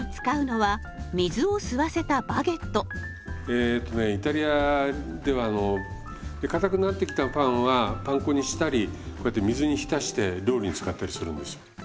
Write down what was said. えとねイタリアではかたくなってきたパンはパン粉にしたりこうやって水に浸して料理に使ったりするんですよ。